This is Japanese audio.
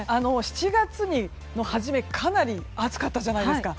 ７月の初めかなり暑かったじゃないですか。